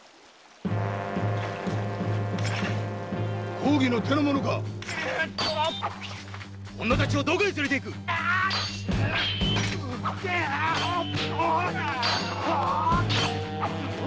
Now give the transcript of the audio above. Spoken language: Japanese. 公儀の手の者か⁉女たちをどこへ連れていく⁉退けっ！